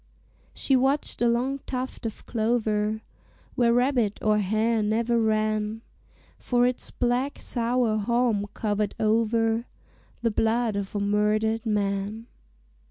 She watched a long tuft of clover, Where rabbit or hare never ran, For its black sour haulm covered over The blood of a murdered man.